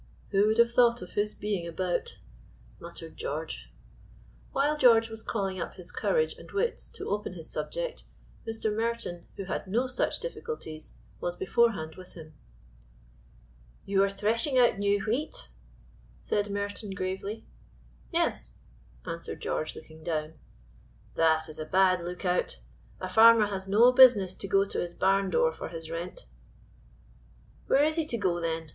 "Who would have thought of his being about?" muttered George. While George was calling up his courage and wits to open his subject, Mr. Merton, who had no such difficulties, was beforehand with him. "You are threshing out new wheat?" said Merton, gravely. "Yes," answered George, looking down. "That is a bad lookout; a farmer has no business to go to his barn door for his rent." "Where is he to go, then?